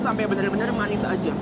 sampai benar benar manis aja